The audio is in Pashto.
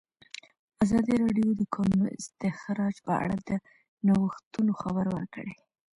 ازادي راډیو د د کانونو استخراج په اړه د نوښتونو خبر ورکړی.